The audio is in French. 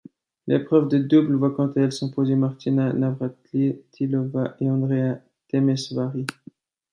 L'épreuve de double voit quant à elle s'imposer Martina Navrátilová et Andrea Temesvári.